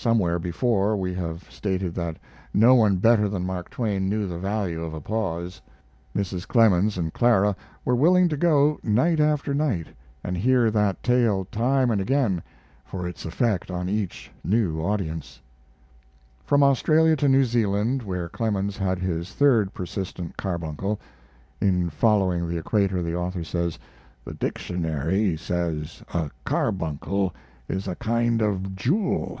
Somewhere before we have stated that no one better than Mark Twain knew the value of a pause. Mrs. Clemens and Clara were willing to go night after night and hear that tale time and again, for its effect on each new, audience. From Australia to New Zealand where Clemens had his third persistent carbuncle, [In Following the Equator the author says: "The dictionary says a carbuncle is a kind of jewel.